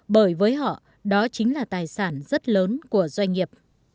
bởi với họ đó chính là tài sản rất lớn của doanh nghiệp